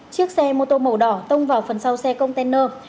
chiếc xe mô tô màu đỏ tông vào phần sau xe container